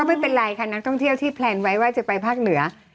ไม่เป็นไรค่ะนักท่องเที่ยวที่แพลนไว้ว่าจะไปภาคเหนือ